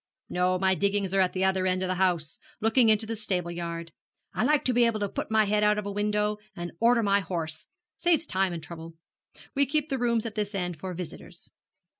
'No, my diggings are at the other end of the house, looking into the stable yard. I like to be able to put my head out of window and order my horse saves time and trouble. We keep the rooms at this end for visitors.'